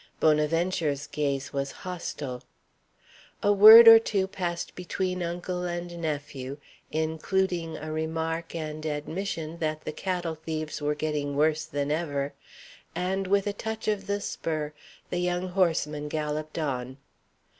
Bonaventure's gaze was hostile. A word or two passed between uncle and nephew, including a remark and admission that the cattle thieves were getting worse than ever; and with a touch of the spur, the young horseman galloped on.